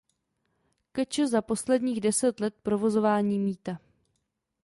Kč za prvních deset let provozování mýta.